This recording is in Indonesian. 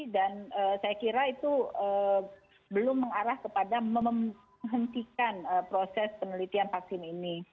dan saya kira itu belum mengarah kepada menghentikan proses penelitian vaksin ini